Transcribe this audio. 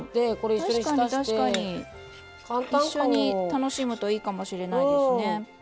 一緒に楽しむといいかもしれないですね。